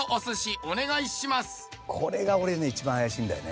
これが俺ね一番怪しいんだよね。